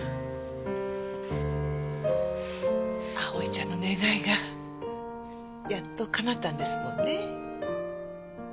葵ちゃんの願いがやっとかなったんですもんね。